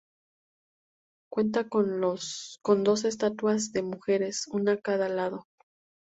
Cuenta con dos estatuas de mujeres, una a cada lado.